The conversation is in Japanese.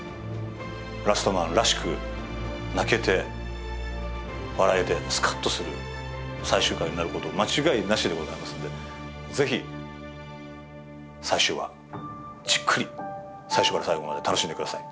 「ラストマン」らしく泣けて笑えてスカッとする最終回になること間違いなしでございますのでぜひ最終話じっくり最初から最後まで楽しんでください